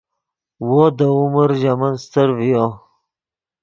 وو دے عمر ژے من استر ڤیو